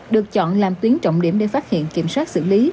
được chọn làm tuyến trọng điểm để phát hiện kiểm soát xử lý